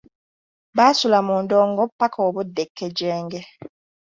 Baasula mu ndongo ppaka obudde kkejenge.